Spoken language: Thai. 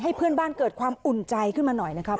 เพื่อนบ้านเกิดความอุ่นใจขึ้นมาหน่อยนะครับ